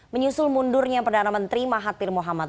menyusul mundurnya perdana menteri mahathir mohamad